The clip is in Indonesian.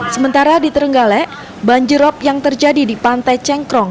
sementara di terenggalek banjirop yang terjadi di pantai cengkrong